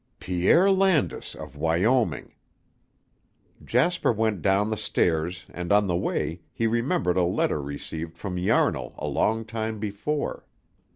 "Pierre Landis, of Wyoming." Jasper went down the stairs and on the way he remembered a letter received from Yarnall a long time before.